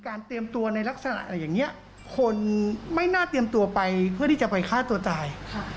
เตรียมตัวในลักษณะอย่างนี้คนไม่น่าเตรียมตัวไปเพื่อที่จะไปฆ่าตัวตาย